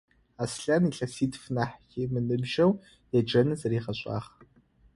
Аслъан илъэситф нахь ымыныбжьэу еджэныр зэригъэшӏагъ.